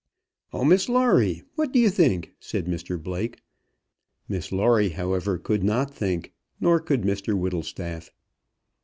"Oh, Miss Lawrie, what do you think?" said Mr Blake. Miss Lawrie, however, could not think, nor could Mr Whittlestaff.